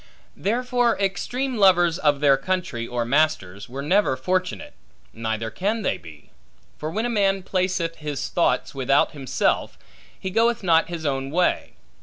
Therefore extreme lovers of their country or masters, were never fortunate, neither can they be. For when a man placeth his thoughts without himself, he goeth not his own way.